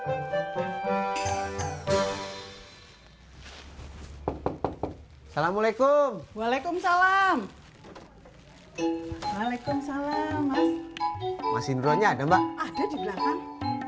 assalamualaikum waalaikumsalam waalaikumsalam mas masin rohnya ada mbak ada di belakang